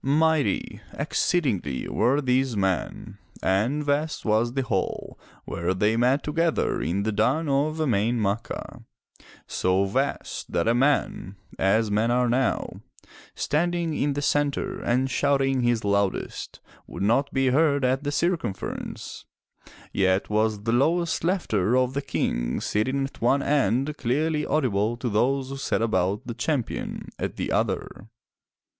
Mighty, exceedingly were these men and vast was the hall where they met together in the duni of E'main Ma'cha, so vast that a man, as men are now, standing in the centre and shouting his loudest, would not be heard at the circumference, yet was the lowest laughter of the King sitting at one end, clearly audible to those who sat about the Champion at the other.